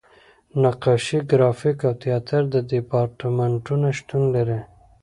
نقاشۍ، ګرافیک او تیاتر دیپارتمنټونه شتون لري.